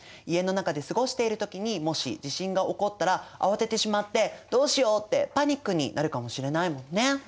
家の中で過ごしている時にもし地震が起こったら慌ててしまってどうしようってパニックになるかもしれないもんね。